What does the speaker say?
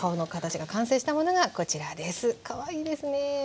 かわいいですね。